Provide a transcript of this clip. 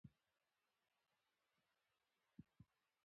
هغه د ماشومانو د سترګو د روغتیا لپاره د رڼا پام ساتي.